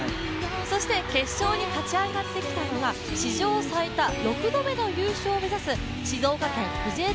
決勝に勝ち上がってきたのが史上最多６度目の優勝を目指す静岡県藤枝